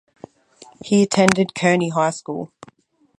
He attended Kearny High School.